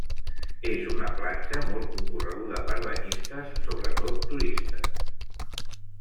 És una platja molt concorreguda per banyistes, sobretot turistes.